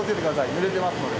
濡れてますので。